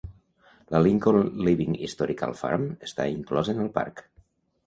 La Lincoln Living Historical Farm està inclosa en el parc.